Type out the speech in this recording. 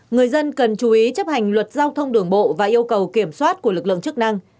người dân cần chú ý chấp hành luật giao thông đường bộ và yêu cầu kiểm soát của lực lượng chức năng